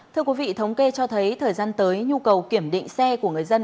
thưa quý vị thống kê cho thấy thời gian tới nhu cầu kiểm định xe của người dân